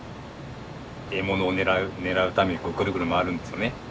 獲物を狙うためにぐるぐる回るんですね。